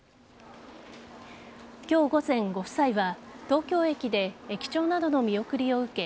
今日午前、ご夫妻は東京駅で駅長などの見送りを受け